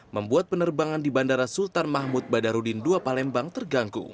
membuat penerbangan di bandara sultan mahmud badarudin ii palembang terganggu